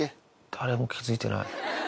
誰も気付いてない。